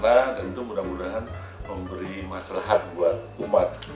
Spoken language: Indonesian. dan itu mudah mudahan memberi masalahat buat umat